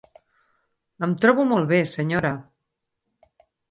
Em trobo molt bé, senyora.